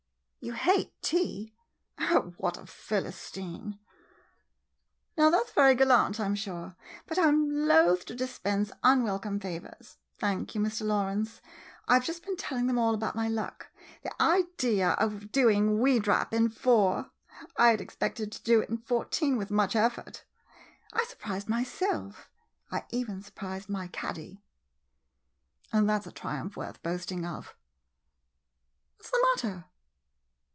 You hate tea? Oh, what a Philistine! [Deprecatory tone.] Now, that 's very gallant, I 'm sure — but I 'm loath to dispense unwelcome favors. Thank you, Mr. Lawrence. I 've just been telling them all about my luck. The idea of my doing Wee Drap in four! I had ex pected to do it in fourteen with much effort ! I surprised myself — I even surprised my caddy — and that 's a triumph worth boast ing of ! What 's the matter